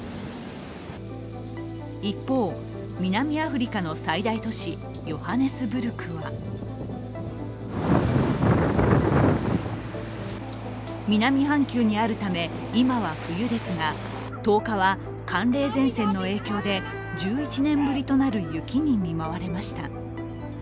一方、南アフリカの最大都市ヨハネスブルクは南半球にあるため、今は冬ですが１０日は寒冷前線の影響で１１年ぶりとなる雪に見舞われました。